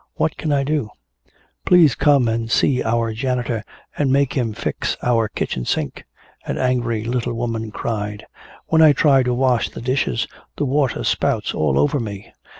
What can I do?" "Please come and see our janitor and make him fix our kitchen sink!" an angry little woman cried. "When I try to wash the dishes the water spouts all over me!"